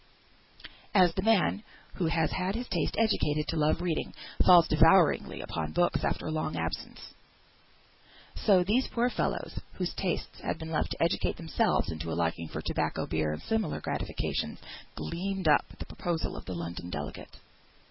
As the man who has had his taste educated to love reading, falls devouringly upon books after a long abstinence, so these poor fellows, whose tastes had been left to educate themselves into a liking for tobacco, beer, and similar gratifications, gleamed up at the proposal of the London delegate.